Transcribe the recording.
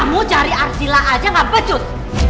kamu cari arsila aja gak becut